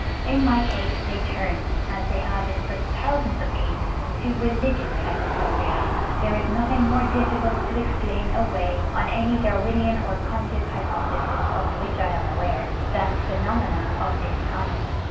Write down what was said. In my case they turned, as they have in such thousands of cases, to religious hypochondria. There is nothing more difficult to explain away, on any Darwinian or Contist hypothesis of which I am aware, than 'phenomena' of this kind.